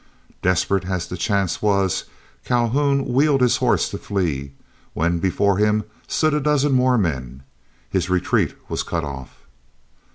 Desperate as the chance was, Calhoun wheeled his horse to flee, when before him stood a dozen more men; his retreat was cut off.